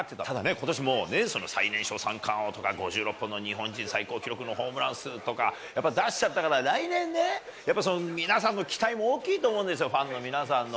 ことしもう、最年少三冠王とか、５６本の日本人最高記録のホームラン数とか、やっぱり出しちゃったから、来年ね、やっぱり皆さんの期待も大きいと思うんですよ、ファンの皆さんの。